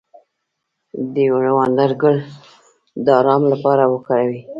د لیوانډر ګل د ارام لپاره وکاروئ